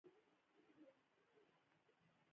د کتاب موضوع د قرآن او ساینس په اړه وه.